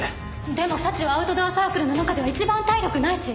でも早智はアウトドアサークルの中では一番体力ないし。